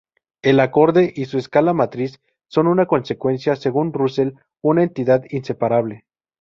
El acorde y su escala matriz son en consecuencia según Russell una entidad inseparable.